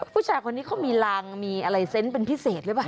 ผู้ชายคนนี้เขามีรังมีอะไรเซนต์เป็นพิเศษหรือเปล่า